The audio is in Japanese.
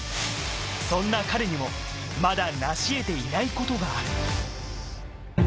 そんな彼にもまだ成しえていないことがある。